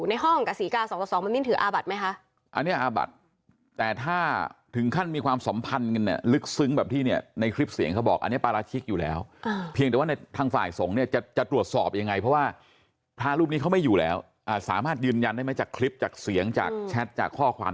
อ่าสามารถดื่นยันด้วยไหมจากจากคลิปจากเสียงจากจากข้อความ